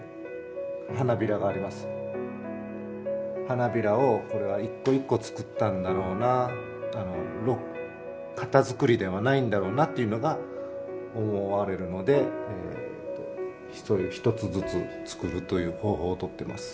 花びらをこれは一個一個つくったんだろうな型づくりではないんだろうなっていうのが思われるので１つずつつくるという方法をとってます。